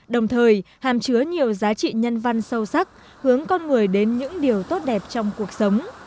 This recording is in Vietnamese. đồng thời hàm chứa nhiều giá trị nhân văn sâu sắc hướng con người đến những điều tốt đẹp trong cuộc sống